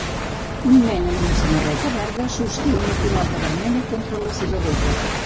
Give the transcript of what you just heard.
Un nen amb una samarreta verda sosté una pilota vermella contra la seva boca.